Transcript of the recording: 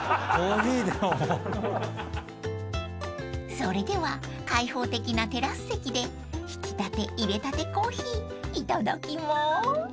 ［それでは開放的なテラス席でひきたて入れたてコーヒーいただきます］